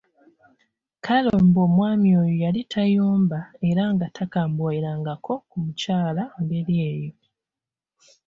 Kale mbu omwami oyo yali tayomba era nga takambuwalirangako ku mukyala ng'eri eyo !